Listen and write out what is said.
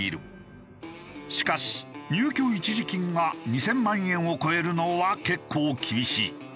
しかし入居一時金が２０００万円を超えるのは結構厳しい。